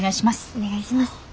お願いします。